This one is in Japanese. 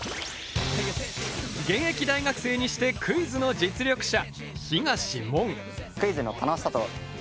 現役大学生にしてクイズの実力者